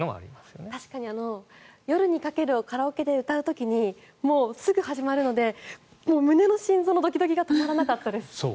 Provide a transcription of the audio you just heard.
確かに「夜に駆ける」をカラオケで歌う時にすぐに始まるので胸の心臓のドキドキが止まらなかったです。